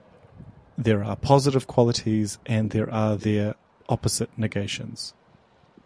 There are positive qualities and there are their opposite negations.